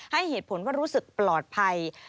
ให้เหตุผลว่ารู้สึกปลอดภัย